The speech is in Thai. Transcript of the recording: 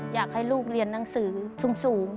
อยากให้ลูกเรียนหนังสือสูง